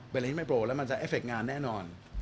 เป็นอะไรที่ไม่โปรแล้วมันจะเอฟเคงานแน่นอน